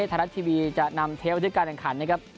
ทานทดีเจอก็น้ำเทลเชือกันบรรคันนะครับ